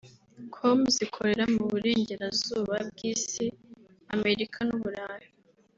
com zikorera mu burengerazuba bw’Isi (Amerika n’Uburayi)